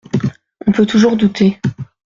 On peut toujours douter.